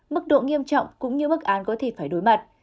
mức độ nghiêm trọng cũng như mức án có thể phải đối mặt